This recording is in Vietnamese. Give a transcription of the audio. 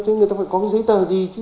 thế người ta phải có cái giấy tờ gì chứ